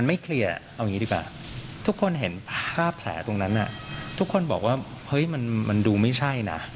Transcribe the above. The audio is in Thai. เราเลยมีความสงสัยมาตลอดเลยนะ